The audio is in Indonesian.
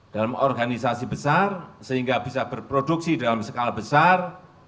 dalam organisasi besar sehingga bisa berproduksi dalam skala besar